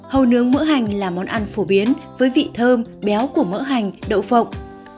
hầu nướng mỡ hành là món ăn phổ biến với vị thơm béo của mỡ hành đậu phộng